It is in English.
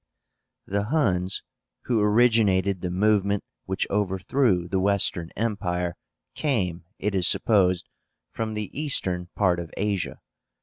The HUNS, who originated the movement which overthrew the Western Empire, came, it is supposed, from the eastern part of Asia.